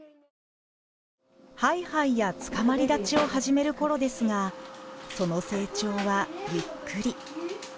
ハイハイやつかまり立ちを始めるころですがその成長はゆっくり。